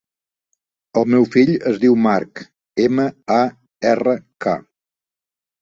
El meu fill es diu Mark: ema, a, erra, ca.